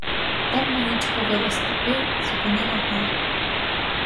Темна ніч повила степи і зупинила бій.